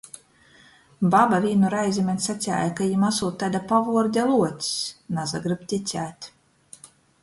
Baba vīnu reizi maņ saceja, ka jim asūt taida pavuorde – Luocs. Nasagryb ticēt...